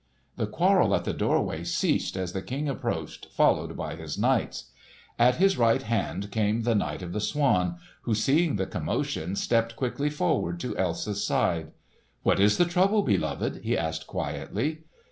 The quarrel at the doorway ceased as the King approached followed by his knights. At his right hand came the Knight of the Swan, who seeing the commotion stepped quickly forward to Elsa's side. "What is the trouble, beloved?" he asked quietly.